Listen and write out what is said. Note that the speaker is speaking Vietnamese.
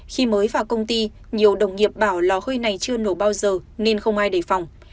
khi mới vào công ty nhiều đồng nghiệp bảo lò hơi này chưa nổ bao giờ nên không ai đề phòng